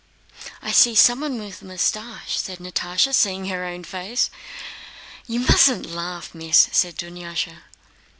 "I see someone with a mustache," said Natásha, seeing her own face. "You mustn't laugh, Miss," said Dunyásha.